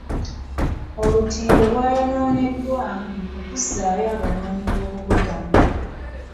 Olutindo lwayonoonebwa mu kuzzaayo abanoonyiboobubudamu.